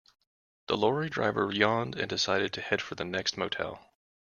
The lorry driver yawned and decided to head for the next motel.